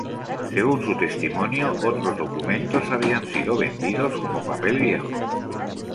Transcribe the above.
Según su testimonio, otros documentos habían sido vendidos como papel viejo.